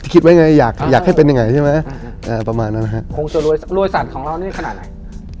คิดไว้ไงก็อยากให้เป็นยังไงใช่ไหมประมาณนั้นนะครับ